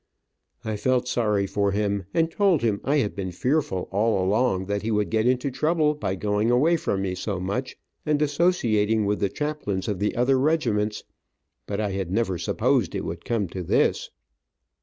I felt sorry for him, and told him I had been fearful all along that he would get into trouble by going away from me so much, and associating with the chaplains of the other regiments, but I had never supposed it would come to this.